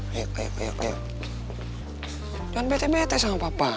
kayak jangan bete bete sama papa